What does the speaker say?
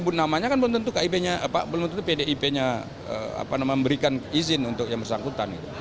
sebut namanya kan belum tentu pdip nya memberikan izin untuk yang bersangkutan